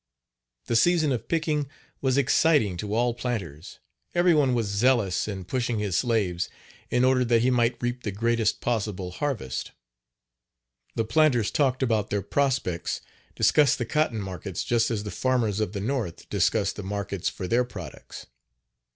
The season of picking was exciting to all planters, every one was zealous in pushing his slaves in order that he might reap the greatest possible harvest. The planters talked about their prospects, discussed the cotton markets, just as Page 32 the farmers of the north discuss the markets for their products.